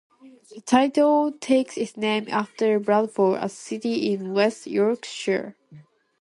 The title takes its name after Bradford, a city in West Yorkshire.